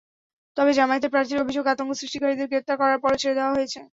তবে জামায়তের প্রার্থীর অভিযোগ আতঙ্ক সৃষ্টিকারীদের গ্রেপ্তার করার পরও ছেড়ে দেওয়া হয়েছে।